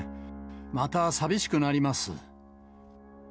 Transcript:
また寂しくなります。